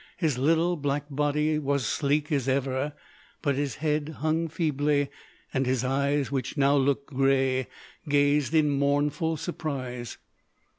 His little black body was sleek as ever, but his head hung feebly, and his eyes, which now looked grey, gazed in mournful surprise.